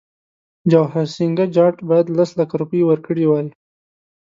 جواهرسینګه جاټ باید لس لکه روپۍ ورکړي وای.